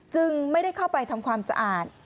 จึงไม่ได้เข้าไปทำความสะอาด